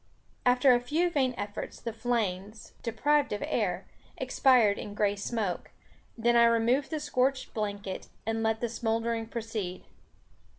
After a few vain efforts, the flames, deprived of air, expired in gray smoke; then I removed the scorched blanket, and let the smouldering proceed.